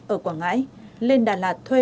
ở quảng ngãi lên đà lạt thuê